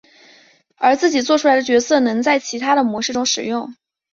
而自己作出来的角色能在其他的模式中使用。